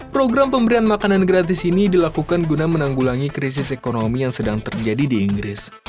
program pemberian makanan gratis ini dilakukan guna menanggulangi krisis ekonomi yang sedang terjadi di inggris